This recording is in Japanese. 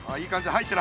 入ってる？